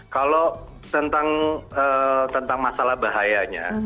kalau tentang masalah bahaya